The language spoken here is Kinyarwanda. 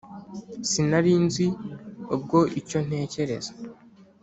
Sinari nzi ubwo icyo ntekereza.